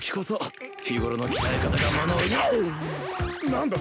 何だ？